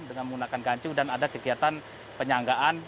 dengan menggunakan gancu dan ada kegiatan penyanggaan